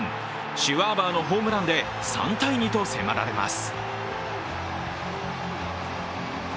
シュワーバーのホームランで３−２と迫られます。